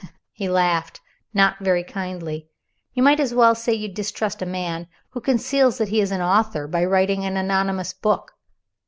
He laughed not very kindly. "You might as well say you distrust a man who conceals that he is an author, by writing an anonymous book.